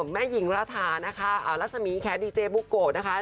แม่หญิงระถานะคะรัศมีแค้นดีเจบุโกะนะคะ